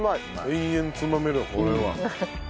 永遠つまめるわこれは。